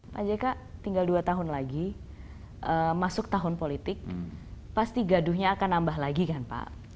pak jk tinggal dua tahun lagi masuk tahun politik pasti gaduhnya akan nambah lagi kan pak